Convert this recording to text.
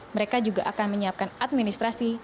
mereka juga akan menyiapkan administrasi